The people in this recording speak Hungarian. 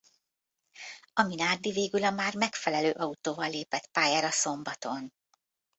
A Minardi végül a már megfelelő autóval lépett pályára szombaton.